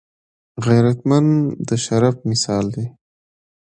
غیرتمند د شرف مثال دی